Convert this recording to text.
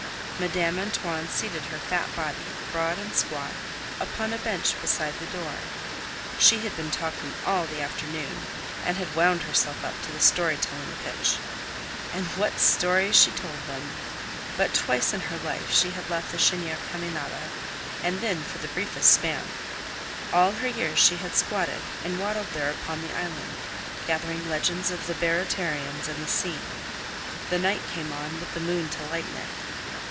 Madame Antoine seated her fat body, broad and squat, upon a bench beside the door. She had been talking all the afternoon, and had wound herself up to the storytelling pitch. And what stories she told them! But twice in her life she had left the Chênière Caminada, and then for the briefest span. All her years she had squatted and waddled there upon the island, gathering legends of the Baratarians and the sea. The night came on, with the moon to lighten it.